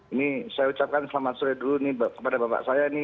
ini saya ucapkan selamat sore dulu kepada bapak saya